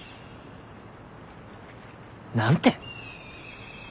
何て？